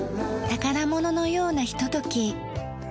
宝物のようなひととき。